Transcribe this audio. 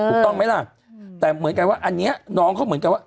ถูกต้องไหมล่ะแต่เหมือนกันว่าอันนี้น้องเขาเหมือนกันว่า